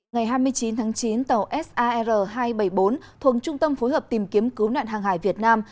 ngày hai mươi chín tháng chín tàu sar hai trăm bảy mươi bốn thuộc trung tâm phối hợp tìm kiếm cứu nạn hàng hải việt nam